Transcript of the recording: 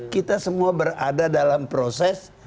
kita semua berada dalam proses